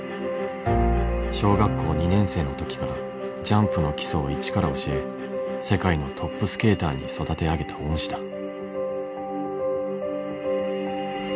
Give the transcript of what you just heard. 小学校２年生の時からジャンプの基礎を一から教え世界のトップスケーターに育て上げた恩師だ。